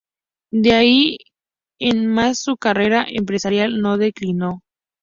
De ahí en más su carrera empresarial no declinó.